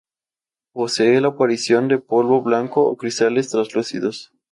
Posee la apariencia de polvo blanco o cristales translúcidos.